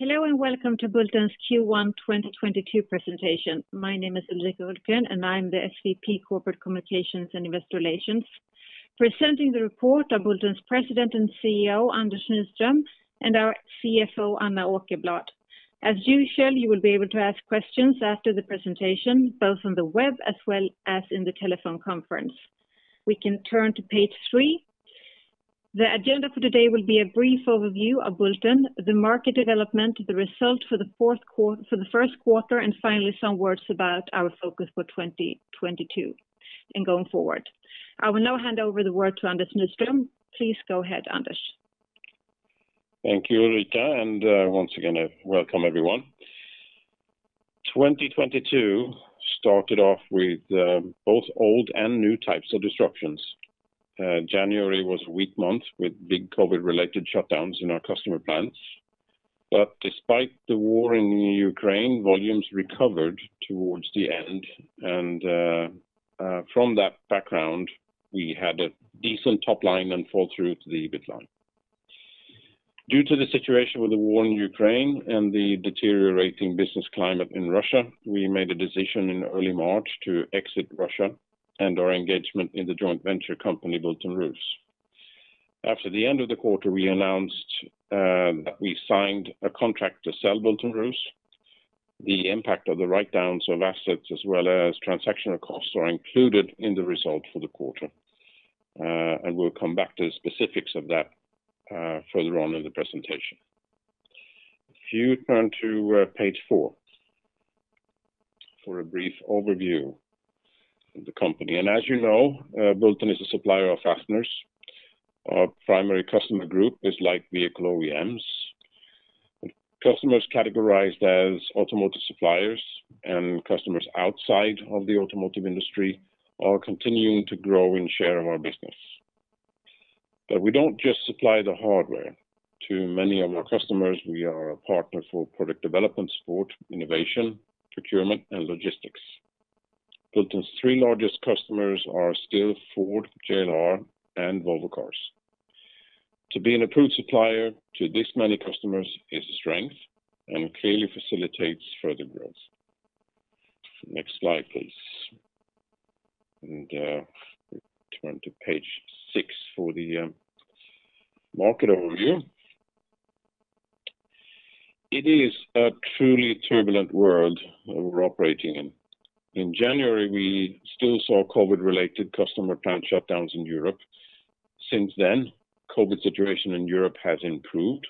Hello and welcome to Bulten's Q1 2022 presentation. My name is Ulrika Hultgren, and I'm the SVP Corporate Communications and Investor Relations. Presenting the report are Bulten's President and CEO, Anders Nyström, and our CFO, Anna Åkerblad. As usual, you will be able to ask questions after the presentation, both on the web as well as in the telephone conference. We can turn to page 3. The agenda for today will be a brief overview of Bulten, the market development, the result for the first quarter, and finally, some words about our focus for 2022 and going forward. I will now hand over the word to Anders Nyström. Please go ahead, Anders. Thank you, Ulrika, and once again, welcome everyone. 2022 started off with both old and new types of disruptions. January was a weak month with big COVID-related shutdowns in our customer plants. Despite the war in Ukraine, volumes recovered towards the end. From that background, we had a decent top line and fall through to the bottom line. Due to the situation with the war in Ukraine and the deteriorating business climate in Russia, we made a decision in early March to exit Russia and our engagement in the joint venture company, Bulten-Rus. After the end of the quarter, we announced that we signed a contract to sell Bulten-Rus. The impact of the write-downs of assets as well as transaction costs are included in the result for the quarter. We'll come back to the specifics of that further on in the presentation. If you turn to page 4 for a brief overview of the company. As you know, Bulten is a supplier of fasteners. Our primary customer group is light vehicle OEMs. Customers categorized as automotive suppliers and customers outside of the automotive industry are continuing to grow in share of our business. We don't just supply the hardware. To many of our customers, we are a partner for product development support, innovation, procurement, and logistics. Bulten's three largest customers are still Ford, JLR, and Volvo Cars. To be an approved supplier to this many customers is a strength and clearly facilitates further growth. Next slide, please. We turn to page 6 for the market overview. It is a truly turbulent world that we're operating in. In January, we still saw COVID-related customer plant shutdowns in Europe. Since then, COVID situation in Europe has improved,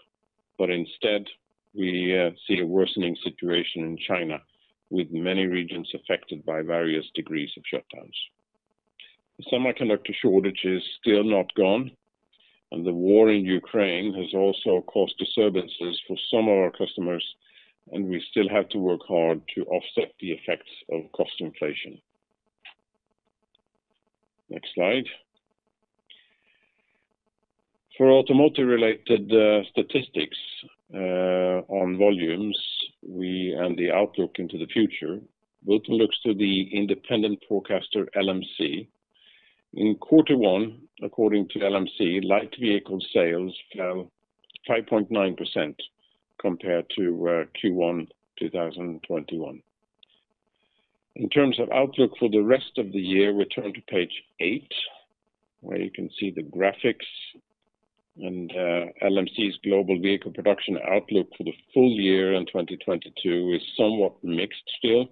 but instead, we see a worsening situation in China, with many regions affected by various degrees of shutdowns. The semiconductor shortage is still not gone, and the war in Ukraine has also caused disturbances for some of our customers, and we still have to work hard to offset the effects of cost inflation. Next slide. For automotive-related statistics on volumes and the outlook into the future, Bulten looks to the independent forecaster LMC. In quarter one, according to LMC, light vehicle sales fell 5.9% compared to Q1 2021. In terms of outlook for the rest of the year, we turn to page 8, where you can see the graphics and LMC's global vehicle production outlook for the full year in 2022 is somewhat mixed still.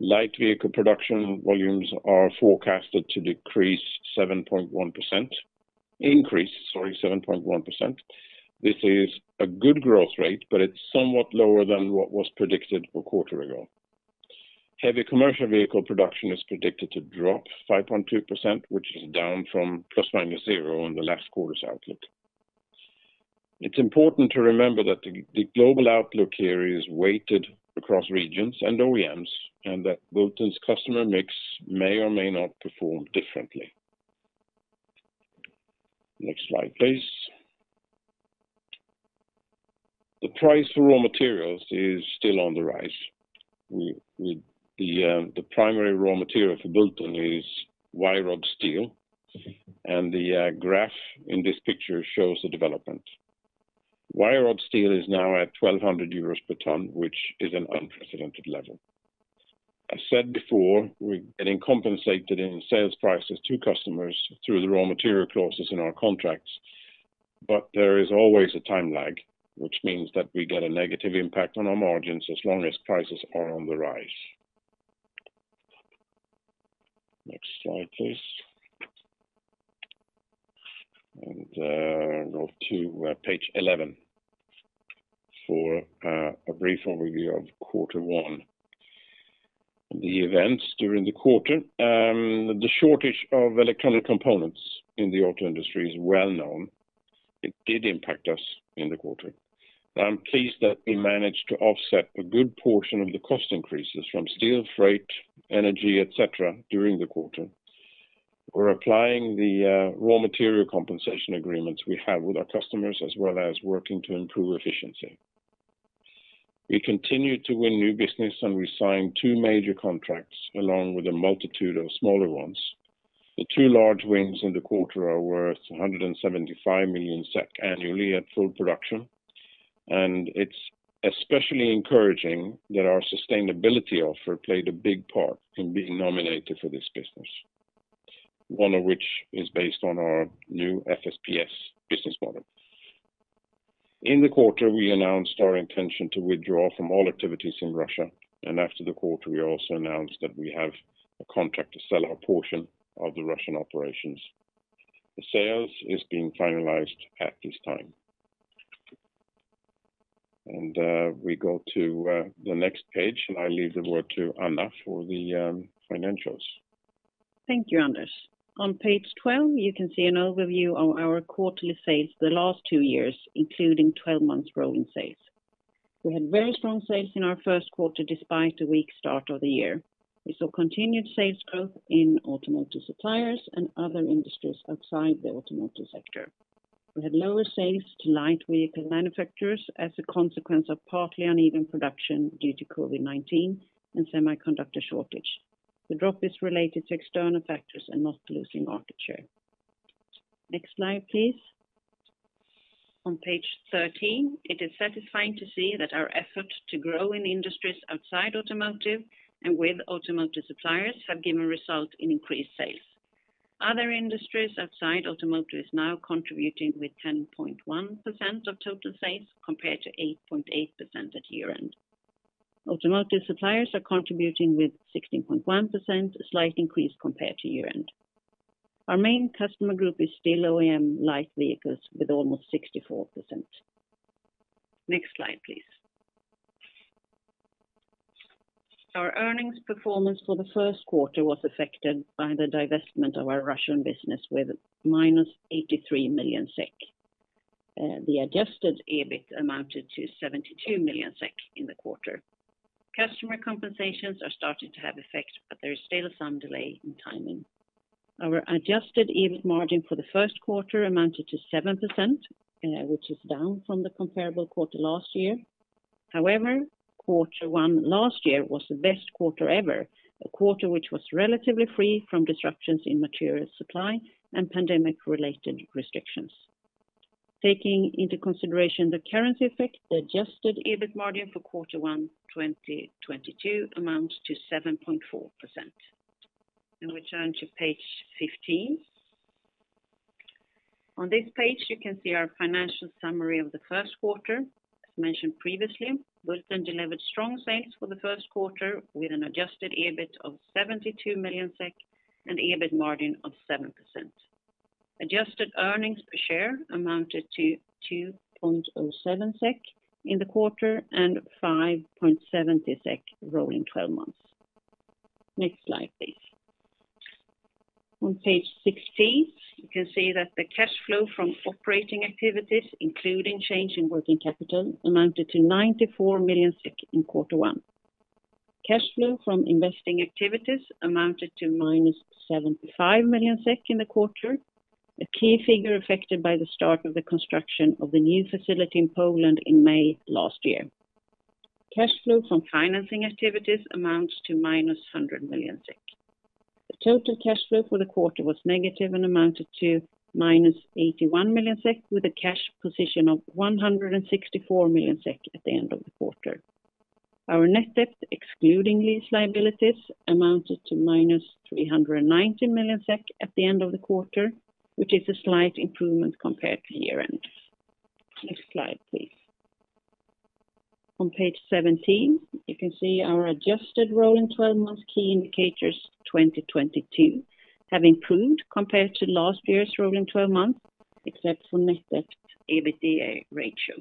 Light vehicle production volumes are forecasted to increase 7.1%. This is a good growth rate, but it's somewhat lower than what was predicted a quarter ago. Heavy commercial vehicle production is predicted to drop 5.2%, which is down from ±0 on the last quarter's outlook. It's important to remember that the global outlook here is weighted across regions and OEMs, and that Bulten's customer mix may or may not perform differently. Next slide, please. The price for raw materials is still on the rise. The primary raw material for Bulten is wire rod steel, and the graph in this picture shows the development. Wire rod steel is now at 1,200 euros per ton, which is an unprecedented level. I said before, we're getting compensated in sales prices to customers through the raw material clauses in our contracts, but there is always a time lag, which means that we get a negative impact on our margins as long as prices are on the rise. Next slide, please. Now, to page 11 for a brief overview of quarter one. The events during the quarter--the shortage of electronic components in the auto industry is well known. It did impact us in the quarter. I'm pleased that we managed to offset a good portion of the cost increases from steel, freight, energy, et cetera, during the quarter. We're applying the raw material compensation agreements we have with our customers, as well as working to improve efficiency. We continued to win new business, and we signed two major contracts along with a multitude of smaller ones. The two large wins in the quarter are worth 175 million SEK annually at full production, and it's especially encouraging that our sustainability offer played a big part in being nominated for this business, one of which is based on our new FSPs business model. In the quarter, we announced our intention to withdraw from all activities in Russia, and after the quarter, we also announced that we have a contract to sell our portion of the Russian operations. The sales is being finalized at this time. We go to the next page, and I leave the word to Anna for the financials. Thank you, Anders. On page 12, you can see an overview of our quarterly sales the last two years, including 12 months rolling sales. We had very strong sales in our first quarter despite a weak start of the year. We saw continued sales growth in automotive suppliers and other industries outside the automotive sector. We had lower sales to light vehicle manufacturers as a consequence of partly uneven production due to COVID-19 and semiconductor shortage. The drop is related to external factors and not to losing market share. Next slide, please. On page 13, it is satisfying to see that our effort to grow in industries outside automotive and with automotive suppliers have given result in increased sales. Other industries outside automotive is now contributing with 10.1% of total sales compared to 8.8% at year-end. Automotive suppliers are contributing with 16.1%, a slight increase compared to year-end. Our main customer group is still OEM light vehicles with almost 64%. Next slide, please. Our earnings performance for the first quarter was affected by the divestment of our Russian business with -83 million SEK. The adjusted EBIT amounted to 72 million SEK in the quarter. Customer compensations are starting to have effect, but there is still some delay in timing. Our adjusted EBIT margin for the first quarter amounted to 7%, which is down from the comparable quarter last year. However, quarter one last year was the best quarter ever, a quarter which was relatively free from disruptions in material supply and pandemic-related restrictions. Taking into consideration the currency effect, the adjusted EBIT margin for quarter one 2022 amounts to 7.4%. We turn to page 15. On this page, you can see our financial summary of the first quarter. As mentioned previously, Bulten delivered strong sales for the first quarter with an adjusted EBIT of 72 million SEK and EBIT margin of 7%. Adjusted earnings per share amounted to 2.07 SEK in the quarter and 5.70 SEK rolling twelve months. Next slide, please. On page 16, you can see that the cash flow from operating activities, including change in working capital, amounted to 94 million SEK in quarter one. Cash flow from investing activities amounted to -75 million SEK in the quarter, a key figure affected by the start of the construction of the new facility in Poland in May last year. Cash flow from financing activities amounts to -100 million SEK. The total cash flow for the quarter was negative and amounted to -81 million SEK with a cash position of 164 million SEK at the end of the quarter. Our net debt, excluding lease liabilities, amounted to -390 million SEK at the end of the quarter, which is a slight improvement compared to year-end. Next slide, please. On page 17, you can see our adjusted rolling twelve months key indicators 2022 have improved compared to last year's rolling twelve months, except for net debt EBITDA ratio.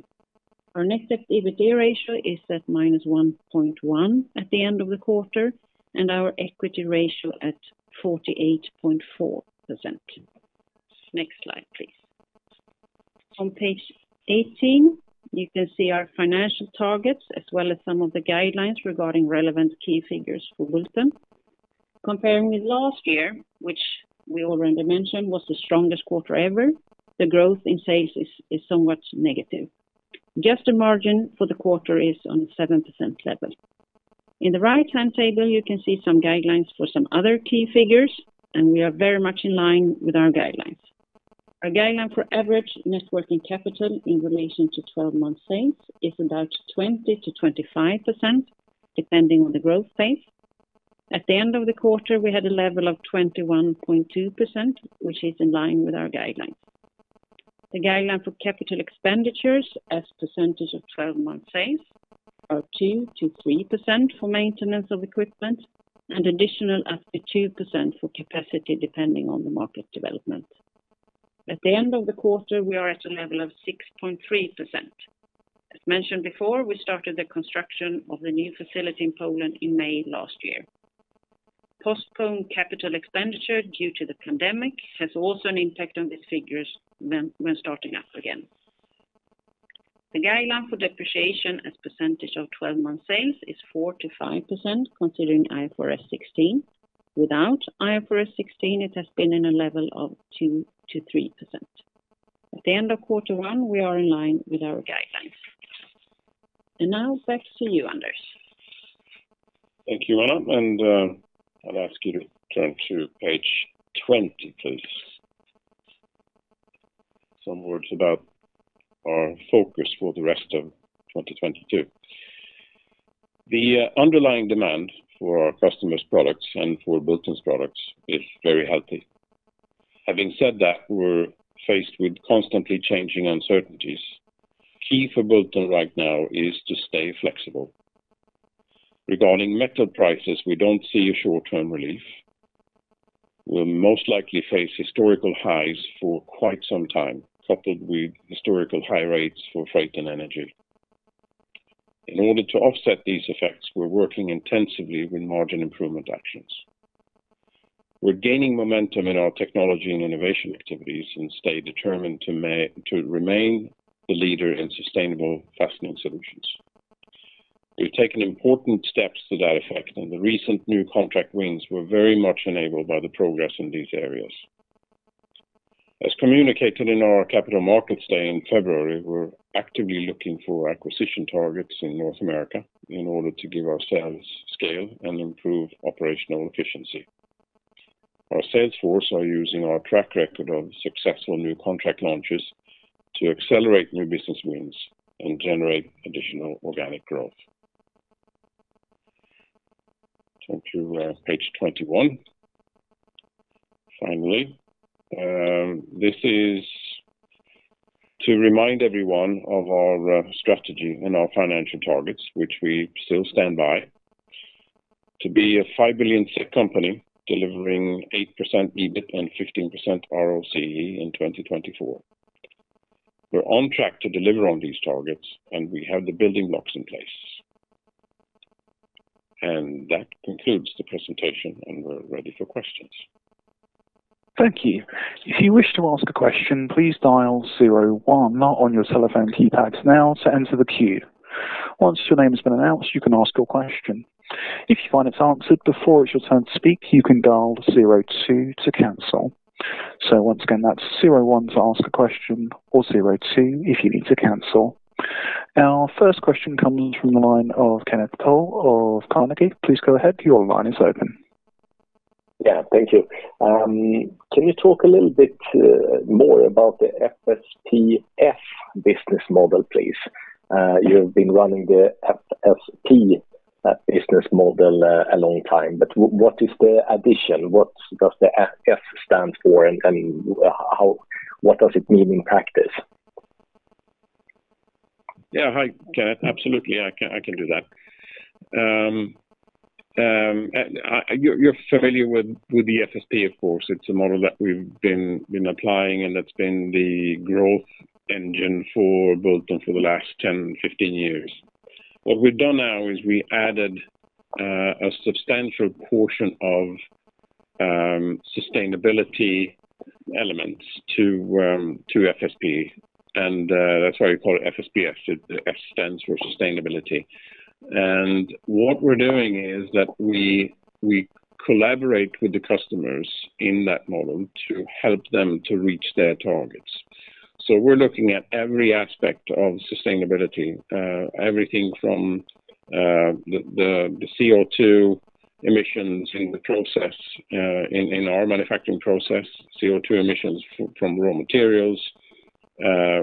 Our net debt EBITDA ratio is at -1.1 at the end of the quarter and our equity ratio at 48.4%. Next slide, please. On page 18, you can see our financial targets as well as some of the guidelines regarding relevant key figures for Bulten. Comparing with last year, which we already mentioned was the strongest quarter ever, the growth in sales is somewhat negative. Adjusted margin for the quarter is on the 7% level. In the right-hand table, you can see some guidelines for some other key figures, and we are very much in line with our guidelines. Our guideline for average net working capital in relation to twelve-month sales is about 20%-25%, depending on the growth pace. At the end of the quarter, we had a level of 21.2%, which is in line with our guidelines. The guideline for capital expenditures as percentage of twelve-month sales are 2%-3% for maintenance of equipment and additional up to 2% for capacity depending on the market development. At the end of the quarter, we are at a level of 6.3%. As mentioned before, we started the construction of the new facility in Poland in May last year. Postponed capital expenditure due to the pandemic has also an impact on these figures when starting up again. The guideline for depreciation as percentage of twelve-month sales is 4%-5% considering IFRS 16. Without IFRS 16, it has been in a level of 2%-3%. At the end of quarter one, we are in line with our guidelines. Now, back to you, Anders. Thank you, Anna, and I'll ask you to turn to page 20 please. Some words about our focus for the rest of 2022. The underlying demand for our customers' products and for Bulten's products is very healthy. Having said that, we're faced with constantly changing uncertainties. Key for Bulten right now is to stay flexible. Regarding metal prices, we don't see a short-term relief. We'll most likely face historical highs for quite some time, coupled with historical high rates for freight and energy. In order to offset these effects, we're working intensively with margin improvement actions. We're gaining momentum in our technology and innovation activities, and stay determined to remain the leader in sustainable fastening solutions. We've taken important steps to that effect, and the recent new contract wins were very much enabled by the progress in these areas. As communicated in our Capital Markets Day in February, we're actively looking for acquisition targets in North America in order to give ourselves scale and improve operational efficiency. Our sales force are using our track record of successful new contract launches to accelerate new business wins and generate additional organic growth. Turn to page 21. Finally, this is to remind everyone of our strategy and our financial targets, which we still stand by to be a 5 billion company delivering 8% EBIT and 15% ROCE in 2024. We're on track to deliver on these targets, and we have the building blocks in place. That concludes the presentation, and we're ready for questions. Thank you. If you wish to ask a question, please dial zero one now on your telephone keypads now to enter the queue. Once your name has been announced, you can ask your question. If you find it's answered before it's your turn to speak, you can dial zero two to cancel. Once again, that's zero one to ask a question or zero two if you need to cancel. Our first question comes from the line of Kenneth Toll Johansson of Carnegie. Please go ahead. Your line is open. Yeah, thank you. Can you talk a little bit more about the FSPF business model, please? You've been running the FSP business model a long time, but what is the addition? What does the F stand for, and what does it mean in practice? Yeah, hi, Kenneth. Absolutely. I can do that. You're familiar with the FSP, of course. It's a model that we've been applying, and that's been the growth engine for Bulten for the last 10, 15 years. What we've done now is we added a substantial portion of sustainability elements to FSP. That's why we call it FSPF. The F stands for sustainability. What we're doing is that we collaborate with the customers in that model to help them to reach their targets. We're looking at every aspect of sustainability, everything from the CO2 emissions in the process, in our manufacturing process, CO2 emissions from raw materials.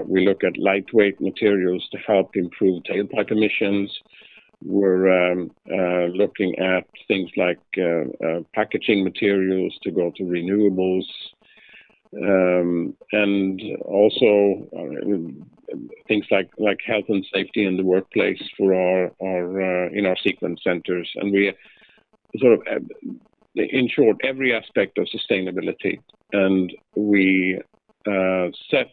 We look at lightweight materials to help improve tailpipe emissions. We're looking at things like packaging materials to go to renewables, and also things like health and safety in the workplace for our sequence centers. We sort of--in short, every aspect of sustainability, and we set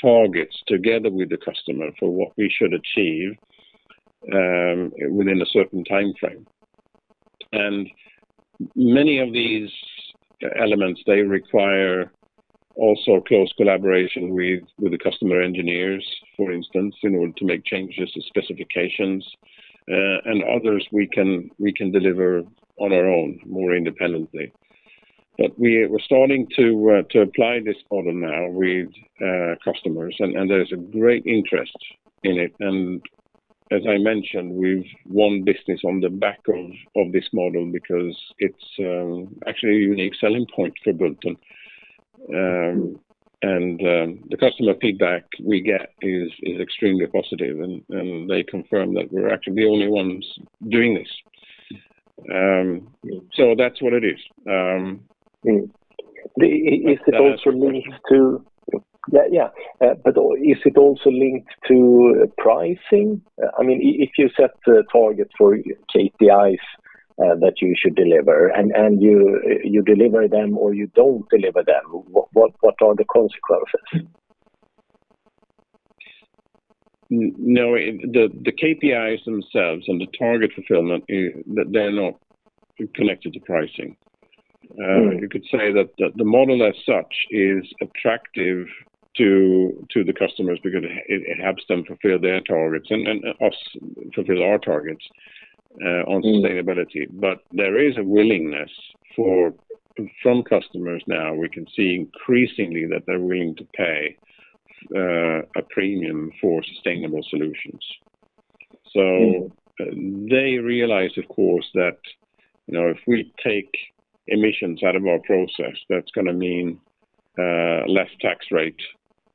targets together with the customer for what we should achieve within a certain timeframe. Many of these elements require also close collaboration with the customer engineers, for instance, in order to make changes to specifications. Others we can deliver on our own more independently. We're starting to apply this model now with customers, and there's a great interest in it. As I mentioned, we've won business on the back of this model because it's actually a unique selling point for Bulten. The customer feedback we get is extremely positive and they confirm that we're actually the only ones doing this. That's what it is. Yeah, yeah. Is it also linked to pricing? I mean, if you set a target for KPIs that you should deliver, and you deliver them or you don't deliver them, what are the consequences? No, the KPIs themselves and the target fulfillment, they're not connected to pricing. You could say that the model as such is attractive to the customers because it helps them fulfill their targets and us fulfill our targets on sustainability. There is a willingness from customers now, we can see increasingly that they're willing to pay a premium for sustainable solutions. They realize, of course, that, you know, if we take emissions out of our process, that's gonna mean less tax rate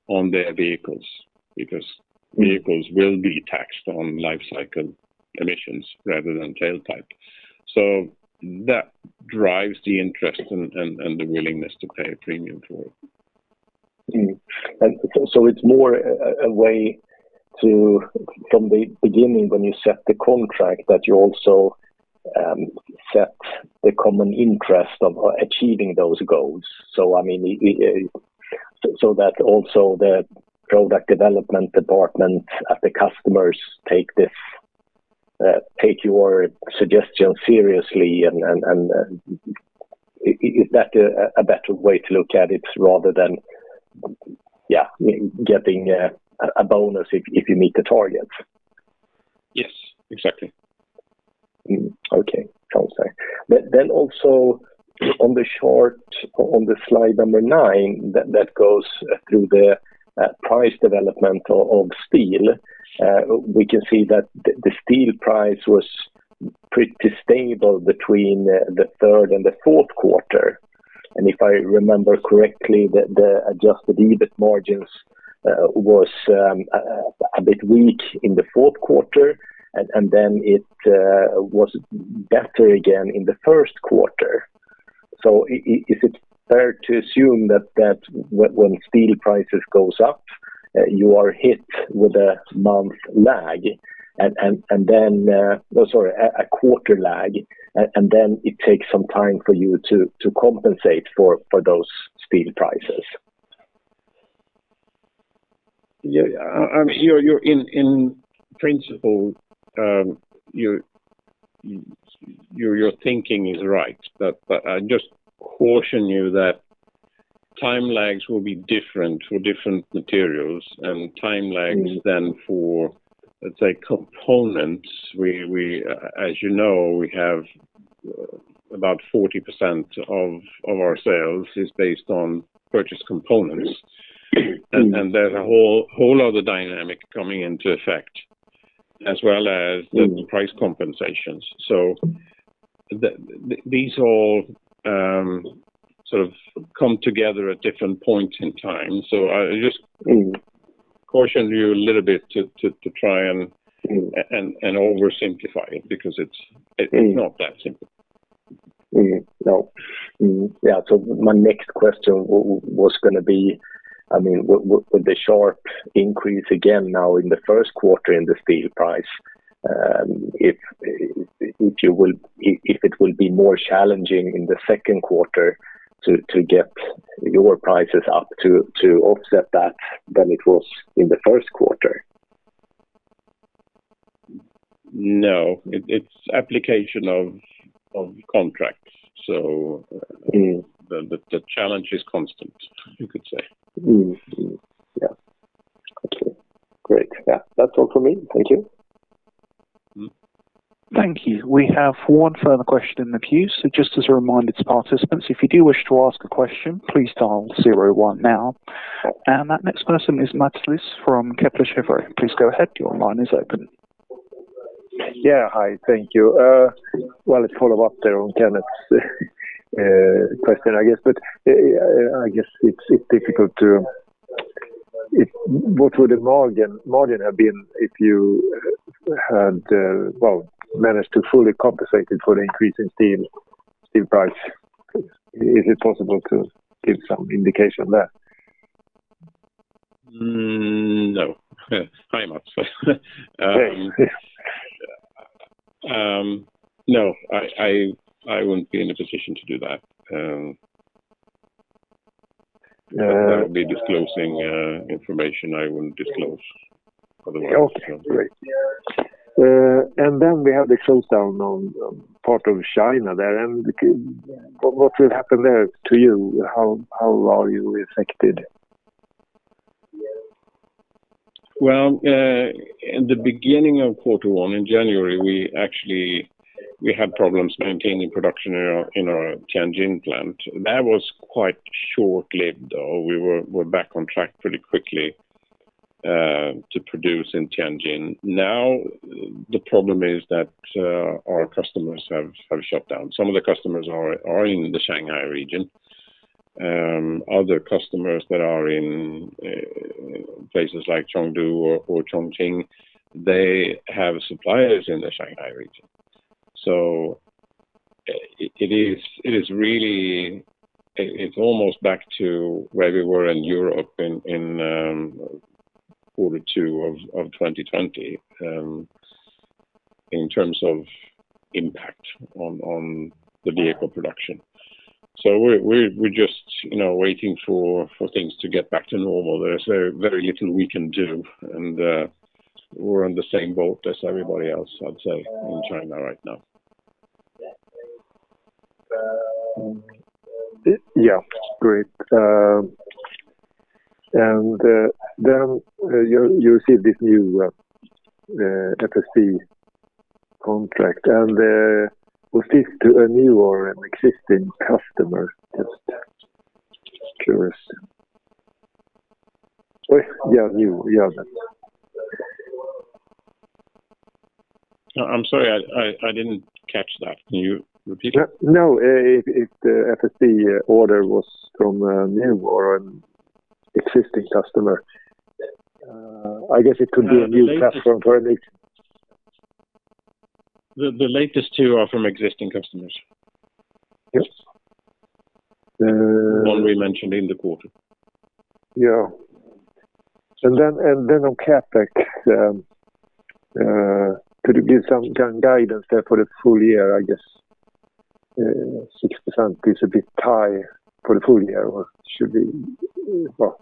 on their vehicles because vehicles will be taxed on life cycle emissions rather than tailpipe. That drives the interest and the willingness to pay a premium for it. It's more a way to--from the beginning when you set the contract, that you also set the common interest of achieving those goals. I mean, that also, the product development department at the customers take your suggestion seriously and is that a better way to look at it rather than getting a bonus if you meet the targets? Yes. Exactly. Also on the slide number 9, that goes through the price development of steel, we can see that the steel price was pretty stable between the third and the fourth quarter. If I remember correctly, the adjusted EBIT margins was a bit weak in the fourth quarter, and then it was better again in the first quarter. Is it fair to assume that when steel prices goes up, you are hit with a month lag and then, sorry, a quarter lag, and then it takes some time for you to compensate for those steel prices? Yeah. I mean, your, in principle, your thinking is right, but I just caution you that time lags will be different for different materials, and time lags than for, let's say, components. As you know, we have about 40% of our sales is based on purchased components. There's a whole other dynamic coming into effect as well as the price compensations. These all sort of come together at different points in time. I just caution you a little bit to try and oversimplify it because it's not that simple. My next question was gonna be, I mean, with the sharp increase again now in the first quarter in the steel price, if you will, if it will be more challenging in the second quarter to get your prices up to offset that than it was in the first quarter. No. It's application of contracts. The challenge is constant, you could say. Yeah. Okay. Great. Yeah. That's all for me. Thank you. Thank you. We have one further question in the queue. Just as a reminder to participants, if you do wish to ask a question, please dial zero one now. That next person is Mats Liss from Kepler Cheuvreux. Please go ahead. Your line is open. Yeah. Hi. Thank you. Well, to follow up there on Kenneth's question, I guess. I guess it's difficult. What would the margin have been if you had well managed to fully compensate it for the increase in steel price? Is it possible to give some indication there? No. Hi, Mats. Yes. No. I wouldn't be in a position to do that Yeah. That would be disclosing information I wouldn't disclose otherwise. Okay. Great. We have the lockdown in part of China there, and what will happen there to you? How are you affected? Well, in the beginning of quarter one in January, we actually had problems maintaining production in our Tianjin plant. That was quite short-lived, though. We're back on track pretty quickly to produce in Tianjin. Now, the problem is that our customers have shut down. Some of the customers are in the Shanghai region. Other customers that are in places like Chengdu or Chongqing, they have suppliers in the Shanghai region. It is really--it's almost back to where we were in Europe in quarter two of 2020 in terms of impact on the vehicle production. We're just, you know, waiting for things to get back to normal. There's very little we can do, and we're on the same boat as everybody else, I'd say, in China right now. Yeah, great. You said this new FSP contract. Was this to a new or an existing customer? Just curious. Yeah, new. Yeah. I'm sorry, I didn't catch that. Can you repeat that? No. If the FSP order was from a new or an existing customer. I guess it could be a new platform for an ex- The latest two are from existing customers. Yes. The one we mentioned in the quarter. Yeah. On CapEx, could you give some guidance there for the full year, I guess? 60% is a bit high for the full year, or should be, well-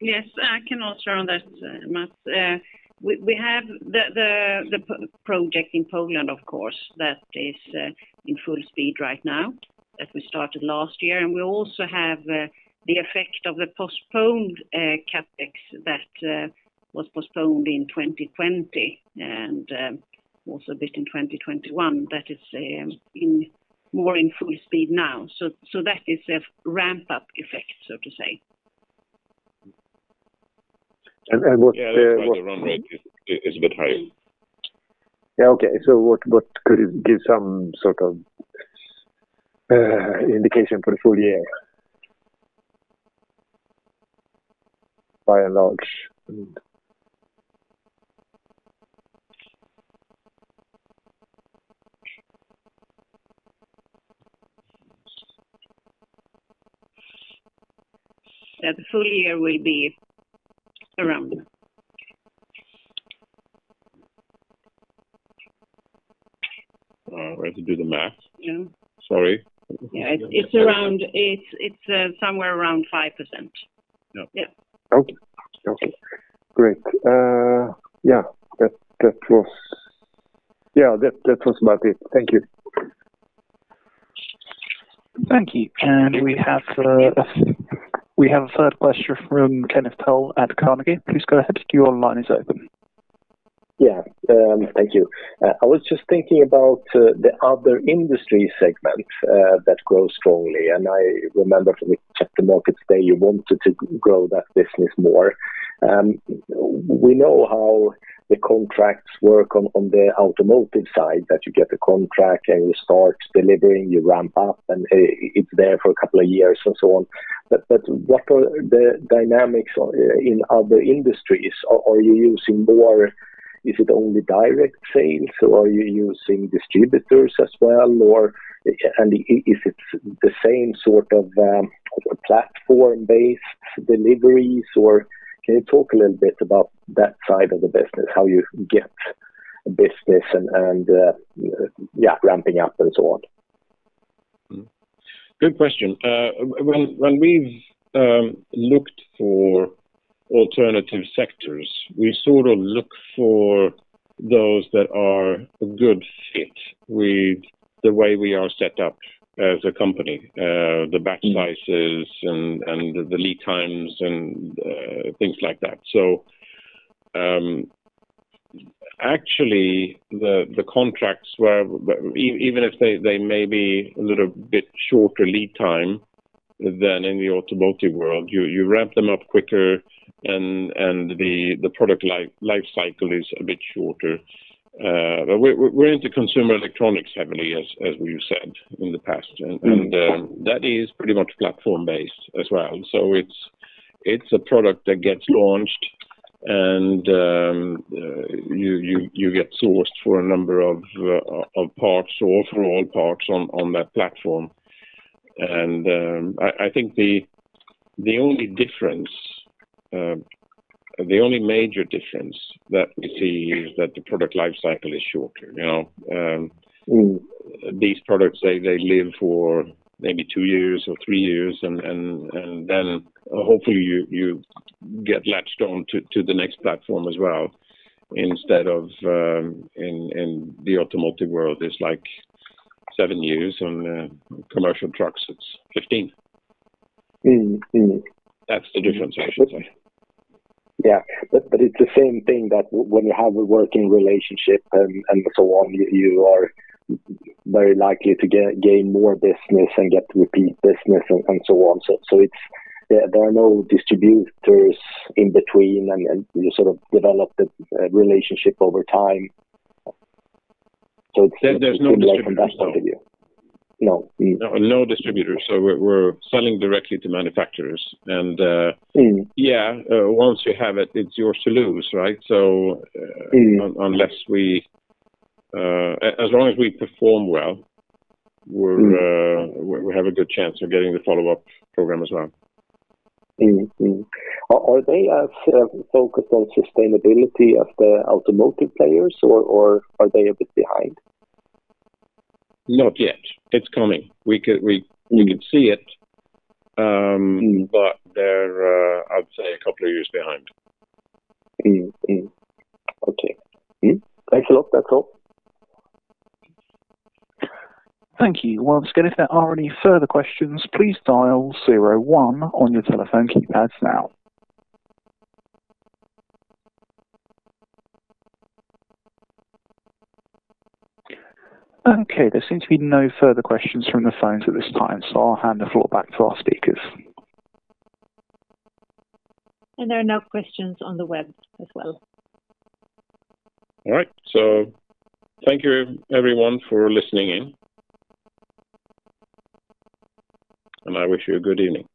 Yes, I can answer on that, Mats. We have the project in Poland, of course, that is in full speed right now, that we started last year. We also have the effect of the postponed CapEx that was postponed in 2020 and also a bit in 2021. That is in more full speed now. That is a ramp-up effect, so to say. What- Yeah. That's why the run rate is a bit high. Yeah. Okay. What could give some sort of indication for the full year? By and large. That the full year will be around. We have to do the math. Yeah. Sorry. Yeah. It's somewhere around 5%. Yeah. Yeah. Okay. Great. Yeah, that was about it. Thank you. Thank you. We have a third question from Kenneth Toll Johansson at Carnegie. Please go ahead. Your line is open. Yeah. Thank you. I was just thinking about the other industry segments that grow strongly. I remember from the Capital Markets Day you wanted to grow that business more. We know how the contracts work on the automotive side, that you get a contract, and you start delivering, you ramp up, and it's there for a couple of years and so on. What are the dynamics in other industries? Are you using more? Is it only direct sales, or are you using distributors as well? Or--and if it's the same sort of platform-based deliveries--can you talk a little bit about that side of the business, how you get business and yeah, ramping up and so on? Good question. When we've looked for alternative sectors, we sort of look for those that are a good fit with the way we are set up as a company, the batch sizes and the lead times and things like that. Actually, the contracts, even if they may be a little bit shorter lead time than in the automotive world, you ramp them up quicker and the product life cycle is a bit shorter. We're into consumer electronics heavily, as you said in the past. That is pretty much platform-based as well. It's a product that gets launched and you get sourced for a number of parts or through all parts on that platform. I think the only major difference that we see is that the product life cycle is shorter. You know, these products, they live for maybe two years or three years, and then hopefully you get latched on to the next platform as well instead of in the automotive world, it's like seven years. On commercial trucks it's 15 years. That's the difference, I should say. Yeah. It's the same thing that when you have a working relationship and so on, you are very likely to gain more business and get repeat business and so on. There are no distributors in between and you sort of develop the relationship over time. There's no distributors, no. No. No distributors. We're selling directly to manufacturers and, yeah, once you have it's yours to lose, right? As long as we perform well, we're, we have a good chance of getting the follow-up program as well. Are they as focused on sustainability as the automotive players or are they a bit behind? Not yet. It's coming. We can see it. They're, I'd say, a couple of years behind. Okay. Thanks a lot. That's all. Thank you. Once again, if there are any further questions, please dial zero one on your telephone keypads now. Okay, there seems to be no further questions from the phones at this time, so I'll hand the floor back to our speakers. There are no questions on the web as well. All right. Thank you everyone for listening in, and I wish you a good evening.